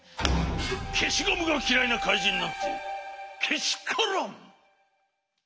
けしゴムがきらいなかいじんなんてけしからん！